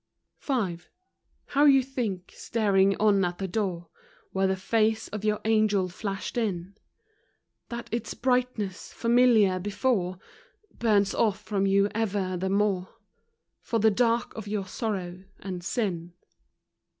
V v. How you think, staring on at the door, Where the face of your angel flashed in, That its brightness, familiar before, Burns off from you ever the more For the dark of your sorrow and sin.